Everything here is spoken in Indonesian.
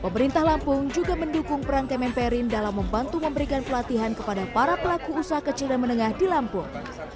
pemerintah lampung juga mendukung peran kemenperin dalam membantu memberikan pelatihan kepada para pelaku usaha kecil dan menengah di lampung